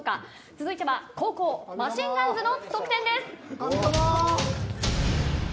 続いては後攻マシンガンズの得点です。